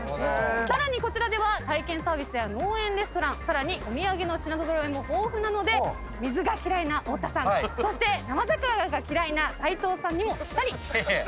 さらにこちらでは体験サービスや農園レストランさらにお土産の品揃えも豊富なので水が嫌いな太田さんそして生魚が嫌いな斉藤さんにもぴったり。